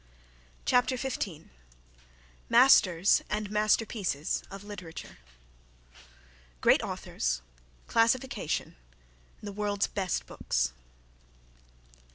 CHAPTER XI MASTERS AND MASTERPIECES OF LITERATURE Great Authors Classification The World's Best Books.